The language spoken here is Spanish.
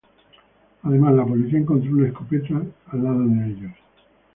Además, la policía encontró una escopeta al lado de ellos.